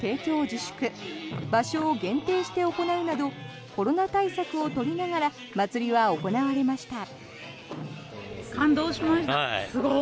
自粛場所を限定して行うなどコロナ対策をとりながら祭りは行われました。